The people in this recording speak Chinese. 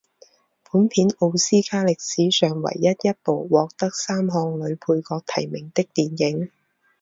本片奥斯卡历史上唯一一部获得三项女配角提名的电影。